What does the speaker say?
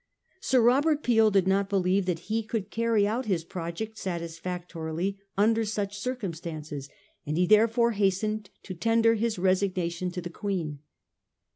Sir Robert Peel did not believe that he could carry out his project satisfactorily under such circumstances, and he there fore hastened to tender his resignation to the Queen.